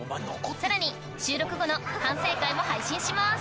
さらに収録後の反省会も配信します